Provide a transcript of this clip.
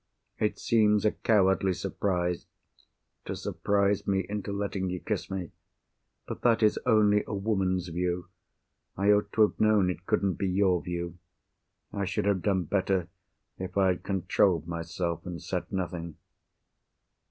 It seems a cowardly surprise, to surprise me into letting you kiss me. But that is only a woman's view. I ought to have known it couldn't be your view. I should have done better if I had controlled myself, and said nothing."